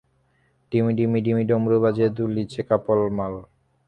ডিমি ডিমি ডিমি ডমরু বাজে, দুলিছে কপাল মাল।